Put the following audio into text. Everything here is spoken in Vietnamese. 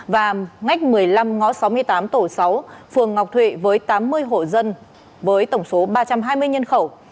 và ngách một mươi năm ngõ sáu mươi tám tổ sáu phường ngọc thụy với tám mươi hộ dân với tổng số ba trăm hai mươi nhân khẩu